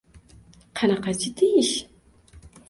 Qanaqa jiddiy ish?!